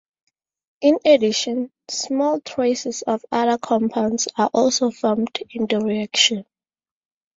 In addition, small traces of other compounds are also formed in the reaction.